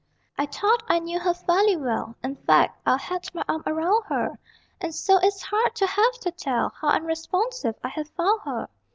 I thought I knew her fairly well: In fact, I'd had my arm around her; And so it's hard to have to tell How unresponsive I have found her.